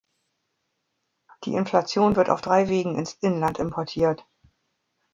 Die Inflation wird auf drei Wegen ins Inland importiert.